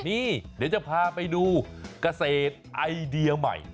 นี่เดี๋ยวจะพาไปดูเกษตรไอเดียใหม่